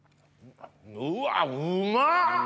うわうまっ！